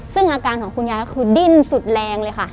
ซึ่งอาการของคุณยายก็คือดิ้นสุดแรงเลยค่ะ